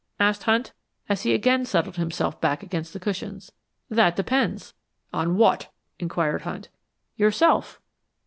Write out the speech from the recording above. asked Hunt, as he again settled himself back against the cushions. "That depends." "On what?" inquired Hunt. "Yourself."